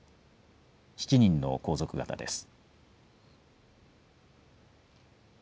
７人の皇族方です。